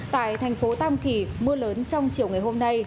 tại thành phố tam kỳ mưa lớn trong chiều ngày hôm nay